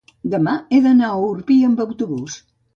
demà he d'anar a Orpí amb autobús.